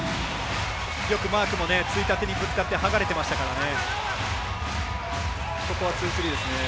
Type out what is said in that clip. よくマークもついたてにぶつかって剥がれてましたからね。